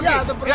iya harus pergi